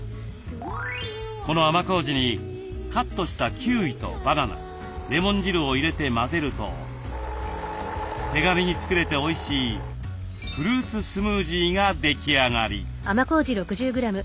この甘こうじにカットしたキウイとバナナレモン汁を入れて混ぜると手軽に作れておいしいフルーツスムージーが出来上がり。